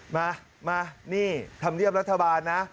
มามานี่ทำเยี่ยมรัฐบาลนะ